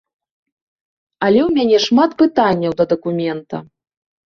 Але ў мяне шмат пытанняў да дакумента.